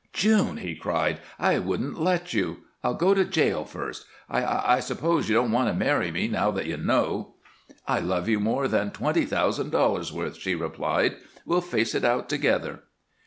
"June!" he cried. "I wouldn't let you! I'll go to jail first! I I suppose you won't want to marry me, now that you know?" "I love you more than twenty thousand dollars' worth," she replied. "We'll face it out together."